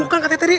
bukan katanya tadi